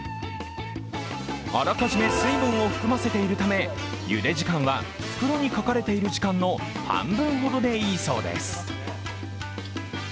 あらかじめ水分を含ませているため、ゆで時間は袋に書かれている時間の半分ほどでいいそうです。